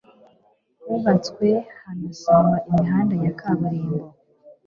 hubatswe hanasanwa imihanda ya kaburimbo